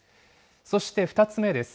そして２つ目です。